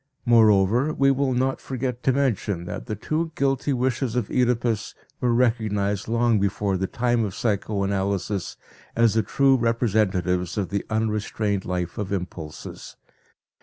Moreover, we will not forget to mention that the two guilty wishes of Oedipus were recognized long before the time of psychoanalysis as the true representatives of the unrestrained life of impulses.